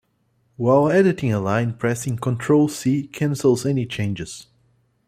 While editing a line pressing Ctrl-C cancels any changes.